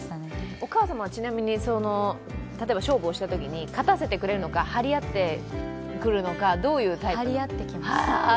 お母様は例えば勝負をしたときに勝たせてくれるのか、張り合ってくるのかどういうタイプ？